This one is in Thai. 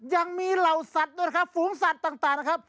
ยังมีเหล่าสัตว์ด้วยนะครับฝูงสัตว์ต่างนะครับ